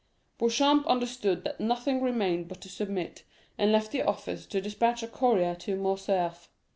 Beauchamp understood that nothing remained but to submit, and left the office to despatch a courier to Morcerf.